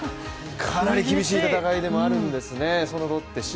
かなり厳しい戦いでもあるんですね